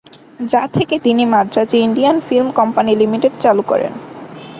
যা থেকে তিনি মাদ্রাজে "ইন্ডিয়ান ফিল্ম কোম্পানি লিমিটেড" চালু করেন।